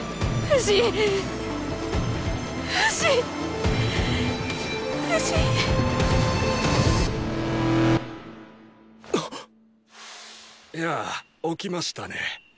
フシ。やぁ起きましたね。